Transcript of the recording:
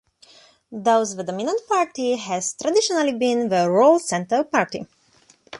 Thus, the dominant party has traditionally been the rural Centre Party.